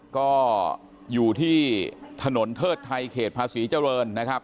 ก็อยู่ที่ถนนเทิดไทยเขตภาษีเจริญนะครับ